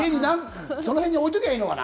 その辺に置いときゃいいのかな？